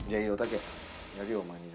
やるよお前に。